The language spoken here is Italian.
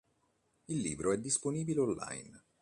Il libro è disponibile online.